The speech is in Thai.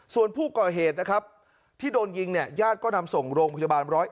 ส่วนผู้ก่อเหตุนะครับที่โดนยิงเนี่ยญาติก็นำส่งโรงพยาบาล๑๐๑